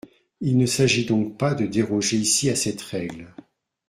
Il ne s’agit donc pas de déroger ici à cette règle.